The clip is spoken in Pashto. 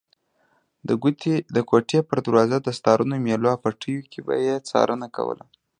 د کوټې په دروازه، دستارونو، مېلو او پټیو کې به یې څارنه کوله.